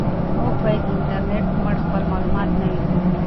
موږ باید د انټرنیټ په مټ خپل معلومات نوي کړو.